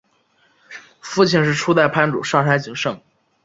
父亲是初代藩主上杉景胜。